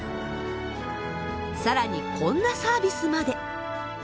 更にこんなサービスまで。